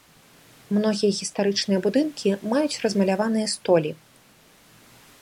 Многія гістарычныя будынкі маюць размаляваныя столі.